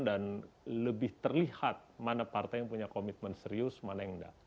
dan lebih terlihat mana partai yang punya komitmen serius mana yang enggak